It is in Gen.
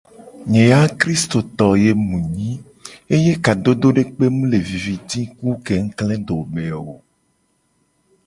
Nye ya kristoto mu nyi eye kadodo dekpe mu le viviti ku kekle dome o.